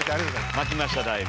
巻きましただいぶ。